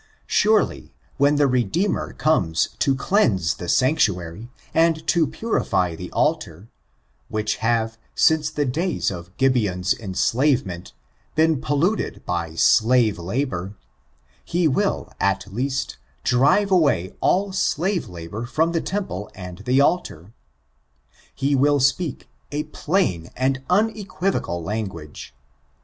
Surely* when the Redeemer comes to cleanse the sanctuary, and to purify the altar, which have, since the days of Gibeon's enslavement, been polluted by slave labor, he will, at least, drive away all slave labor from the temple and the altar. He will speak a plain and unequivocal language.